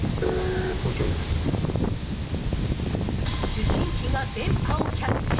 受信機が電波をキャッチ。